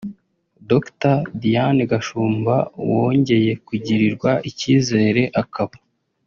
Dr Diane Gashumba wongeye kugirirwa icyizere akaba